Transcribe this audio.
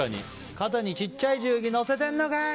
肩にちっちゃい重機のせてんのかい！